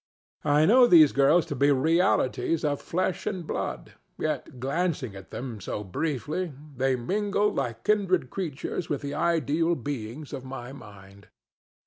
I know these girls to be realities of flesh and blood, yet, glancing at them so briefly, they mingle like kindred creatures with the ideal beings of my mind.